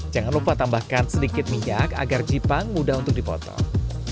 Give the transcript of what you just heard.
jangan lupa tambahkan sedikit minyak agar jipang mudah untuk dipotong